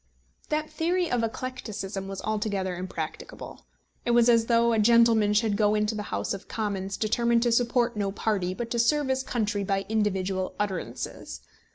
That theory of eclecticism was altogether impracticable. It was as though a gentleman should go into the House of Commons determined to support no party, but to serve his country by individual utterances.